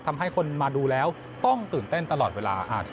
ทำให้คนมาดูแล้วต้องตื่นเต้นตลอดเวลา